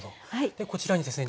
でこちらにですね